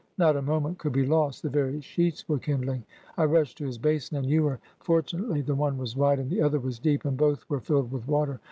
Not a moment could be lost : the very sheets were kin dling. I rushed to his basin and ewer; fortunately the one was wide and the other was deep, and both were filled with water.